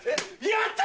やった！